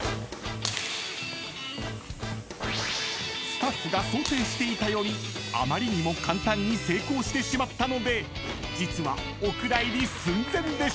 ［スタッフが想定していたよりあまりにも簡単に成功してしまったので実はお蔵入り寸前でした］